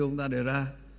chúng ta đề ra